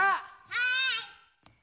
はい！